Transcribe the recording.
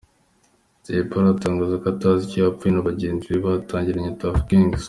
Jay Polly atangaza ko atazi icyo yapfuye na bagenzi be batangiranye Tuff Gangz .